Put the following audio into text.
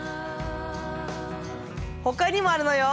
ほかにもあるのよ。